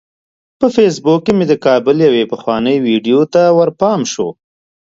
په فیسبوک کې مې د کابل یوې پخوانۍ ویډیو ته ورپام شو.